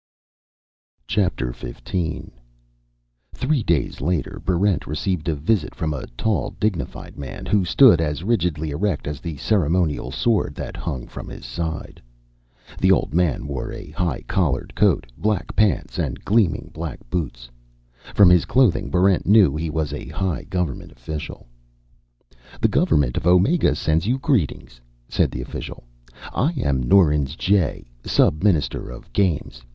Chapter Fifteen Three days later, Barrent received a visit from a tall, dignified man who stood as rigidly erect as the ceremonial sword that hung by his side. The old man wore a high collared coat, black pants, and gleaming black boots. From his clothing, Barrent knew he was a high government official. "The government of Omega sends you greetings," said the official. "I am Norins Jay, Sub Minister of Games.